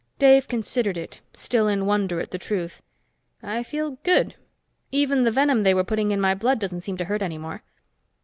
Dave considered it, still in wonder at the truth. "I feel good. Even the venom they were putting in my blood doesn't seem to hurt any more."